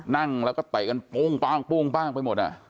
นั่งแล้วก็เตะกันปุ้งปั้งไปหมด